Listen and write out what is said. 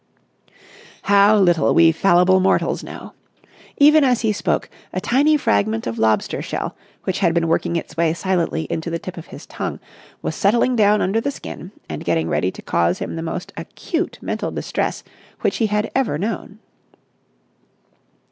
How little we fallible mortals know! Even as he spoke, a tiny fragment of lobster shell, which had been working its way silently into the tip of his tongue, was settling down under the skin and getting ready to cause him the most acute mental distress which he had ever known.